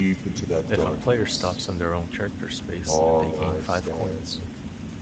If a player stops on their own character space, they gain five Coins.